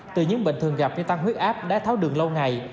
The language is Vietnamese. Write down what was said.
từ những bệnh thường gặp như tăng huyết áp đáy tháo đường lâu ngày